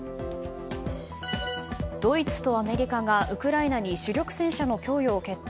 ドイツとアメリカがウクライナに主力戦車の供与を決定。